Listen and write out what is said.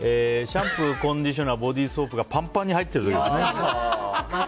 シャンプー、コンディショナーボディーソープがパンパンに入ってる時ですね。